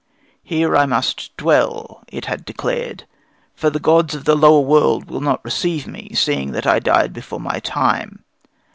"Here must I dwell," it had declared, "for the gods of the lower world will not receive me, seeing that I died before my time.